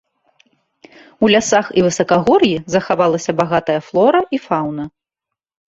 У лясах і высакагор'і захавалася багатая флора і фаўна.